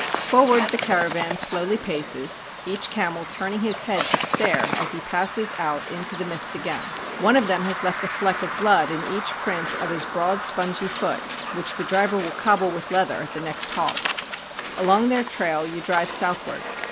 Forward the caravan slowly paces, each camel turn ing his head to stare as he passes out into the mist again. One of them has left a fleck of blood in each print of his broad spongy foot which the driver will cobble with leather at the next halt. Along their trail you drive southward.